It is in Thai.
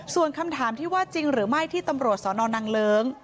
ส่วนคำถามที่ว่าจริงหรือไม่ที่ตำรวจสนนางเลิ้ง